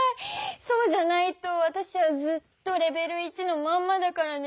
そうじゃないとわたしはずっとレベル１のまんまだからね。